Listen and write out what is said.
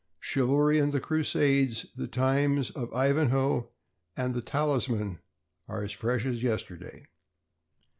Chivalry and the Crusades, the times of Ivanhoe and The Talisman, are as fresh as yesterday.